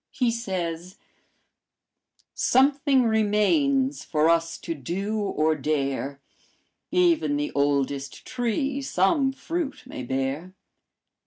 He says: "'Something remains for us to do or dare; Even the oldest tree some fruit may bear.